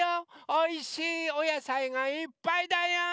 おいしいおやさいがいっぱいだよ！